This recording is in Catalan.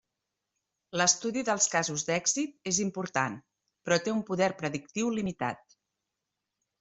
L'estudi dels casos d'èxit és important, però té un poder predictiu limitat.